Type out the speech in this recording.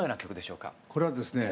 これはですね